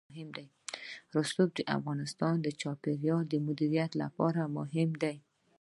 رسوب د افغانستان د چاپیریال د مدیریت لپاره مهم دي.